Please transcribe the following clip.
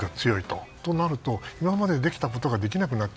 となると、今までできたことができなくなる。